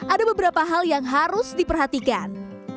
ada beberapa hal yang harus diperhatikan